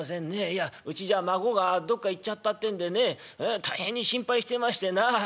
いやうちじゃ孫がどっか行っちゃったってんでね大変に心配していましてなあ。